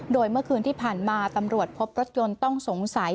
โดยเมื่อคืนที่ผ่านมาตำรวจพบรถยนต์ต้องสงสัย